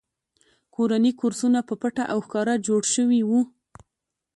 کورني کورسونه په پټه او ښکاره جوړ شوي وو